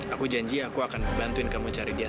aku janji aku akan bantuin kamu cari dia